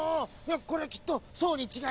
これきっとそうにちがいない！